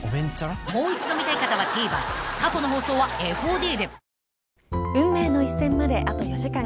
［もう一度見たい方はＴＶｅｒ過去の放送はＦＯＤで］